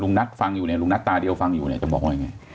นัทฟังอยู่เนี่ยลุงนัทตาเดียวฟังอยู่เนี่ยจะบอกอะไรไง